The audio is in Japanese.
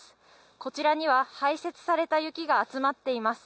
こちらには排雪された雪が集まっています。